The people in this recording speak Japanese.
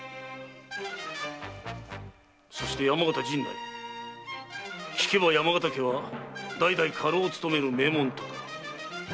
そして山形陣内聞けば山形家は代々家老を勤める名門とか。